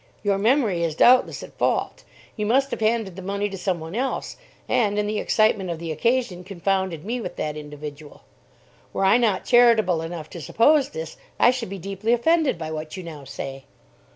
Your memory is doubtless at fault. You must have handed the money to some one else, and, in the excitement of the occasion, confounded me with that individual. Were I not charitable enough to suppose this, I should be deeply offended by what you now say."